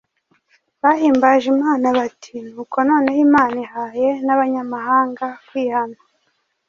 bahimbaje Imana bati: “Nuko noneho Imana ihaye n’abanyamahanga kwihana,